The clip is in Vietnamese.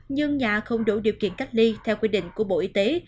nhưng nhà không đủ điều kiện cách ly theo quy định của bộ y tế